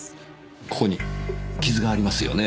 ここに傷がありますよね。